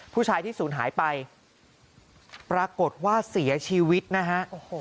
ผู้ชายที่ศูนย์หายไปปรากฏว่าเสียชีวิตนะฮะ